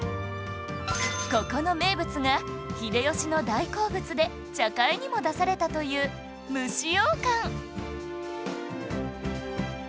ここの名物が秀吉の大好物で茶会にも出されたという蒸し羊羹